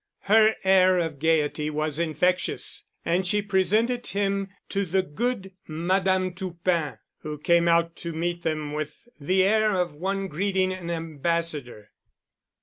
Her air of gayety was infectious and she presented him to the good Madame Toupin, who came out to meet them with the air of one greeting an ambassador.